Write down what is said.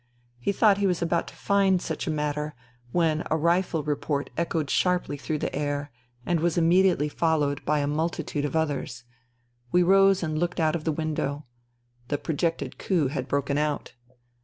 He thought he was about to find such a matter, when a rifle report echoed sharply through the air, and was immediately followed by a multitude of others. We rose and looked out of the window. The projected coup had broken out.